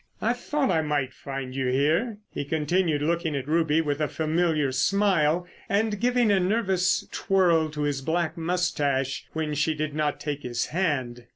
"I thought I might find you here," he continued, looking at Ruby with a familiar smile and giving a nervous twirl to his black moustache when she did not take his hand.